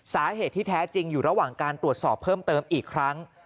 สาเหตุที่แท้จริงอยู่ระหว่างการตรวจสอบเพิ่มเติมอีกครั้ง